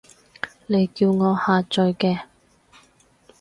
你叫我下載嘅